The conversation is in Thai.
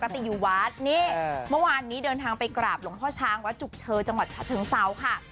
ปกติอยู่วัดนี่เออเมื่อวานนี้เดินทางไปกราบหลงพ่อช้างวตจุเชอจังหวัดถ่างเซาค่ะ